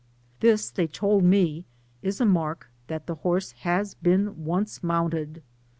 This, they told me, is a mark that the horse has been once mounted.